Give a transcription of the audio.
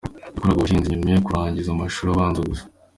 Yakoraga ubuhinzi nyuma yo kurangiza amashuri abanza gusa.